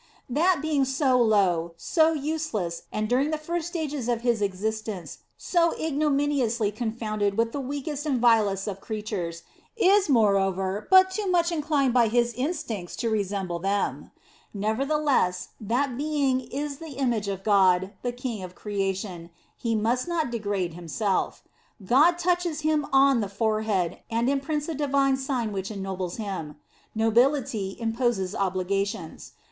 * That being so low, so useless, and during the first stages of his existence, so ignomini * Sap. vii., 34. Plutarch, I/ib> de amore prolia. 60 The Sign of the Cross ously confounded with the weakest and vilest of animals, is, moreover, but too much in clined by his instincts to resemble them. Nevertheless, that being is the image of God, the king of creation; he must not degrade himself. God touches him on the forehead, and imprints a Divine Sign which ennobles him. Nobility imposes obligations.